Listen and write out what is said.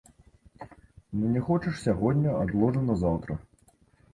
Ну, не хочаш сягоння, адложым на заўтра.